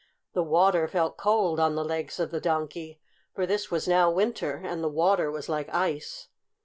The water felt cold on the legs of the Donkey, for this was now winter, and the water was like ice.